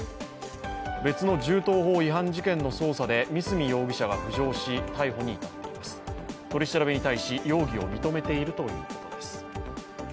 別の銃刀法違反事件の捜査で三角容疑者が浮上し、逮捕に至っていて取り調べに対し容疑を認めているということです。